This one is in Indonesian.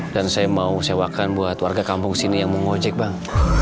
dan saya mau sewakan buat warga kampung sini yang mau ngojek bang